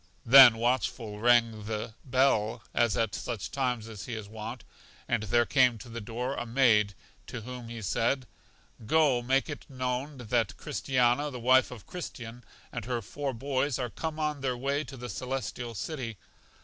Then Watchful rang the hell, as at such times he is wont, and there came to the door a maid, to whom he said: Go, make it known that Christiana, the wife of Christian, and her four boys are come on their way to The Celestial City..